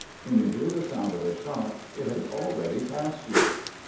Wben you bear tbe sound of a sbot it bas abeady passed you."